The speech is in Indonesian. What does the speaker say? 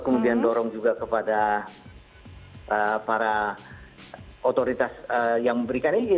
kemudian dorong juga kepada para otoritas yang memberikan ini